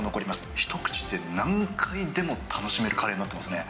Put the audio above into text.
一口で何回でも楽しめるカレーになってますね。